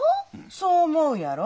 そう思うやろ？